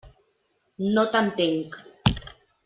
No t'entenc.